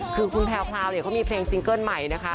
คือคุณแพลวเนี่ยเขามีเพลงซิงเกิ้ลใหม่นะคะ